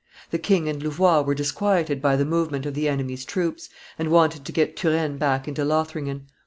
The king and Louvois were disquieted by the movement of the enemy's troops, and wanted to get Turenne back into Lothringen.